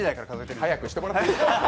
早くしてもらっていいですか。